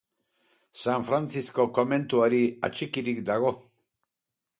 San Frantzisko komentuari atxikirik dago.